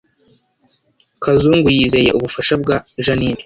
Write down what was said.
Kazungu yizeye ubufasha bwa Jeaninne